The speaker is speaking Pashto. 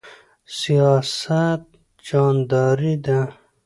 سیاست جهانداری ده